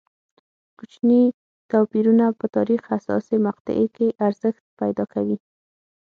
کوچني توپیرونه په تاریخ حساسې مقطعې کې ارزښت پیدا کوي.